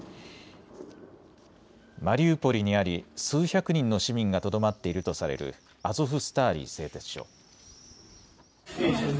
マリウポリにあり数百人の市民がとどまっているとされるアゾフスターリ製鉄所。